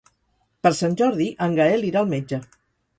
Per Sant Jordi en Gaël irà al metge.